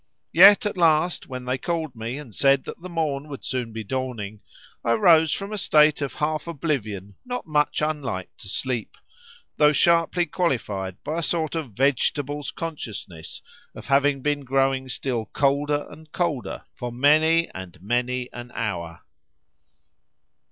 Yet at last, when they called me and said that the morn would soon be dawning, I rose from a state of half oblivion not much unlike to sleep, though sharply qualified by a sort of vegetable's consciousness of having been growing still colder and colder for many and many an hour.